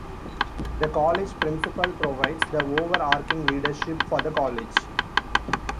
The College Principal provides the over-arching leadership for the College.